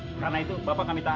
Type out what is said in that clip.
mas lihat deh